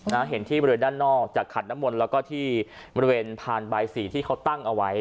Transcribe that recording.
เห็นที่บริเวณด้านนอกจากขันน้ำมนต์แล้วก็ที่บริเวณพานใบสี่ที่เขาตั้งเอาไว้